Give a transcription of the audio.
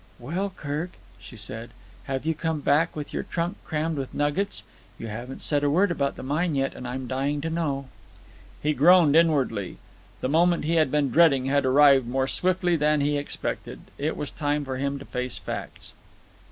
"Well, Kirk," she said, "have you come back with your trunk crammed with nuggets? You haven't said a word about the mine yet, and I'm dying to know." He groaned inwardly. The moment he had been dreading had arrived more swiftly than he had expected. It was time for him to face facts.